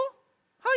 はい。